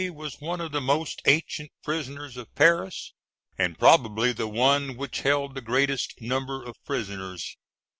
"] The Grand Châtelet was one of the most ancient prisons of Paris, and probably the one which held the greatest number of prisoners.